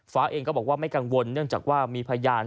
ฟ้าเองก็บอกว่าไม่กังวลเนื่องจากว่ามีพยาน